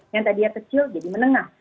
yang tadinya kecil jadi menengah